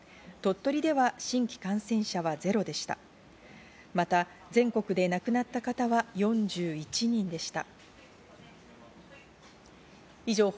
鳥取では新規感染者はゼロでした。